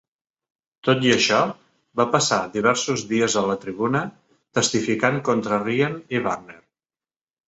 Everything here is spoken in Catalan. Tot i això, va passar diversos dies a la tribuna testificant contra Ryan i Warner.